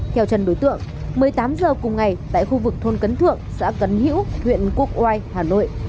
theo trần đối tượng một mươi tám h cùng ngày tại khu vực thôn cấn thượng xã cấn hữu huyện quốc oai hà nội